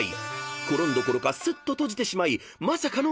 コロンどころかすっと閉じてしまいまさかの］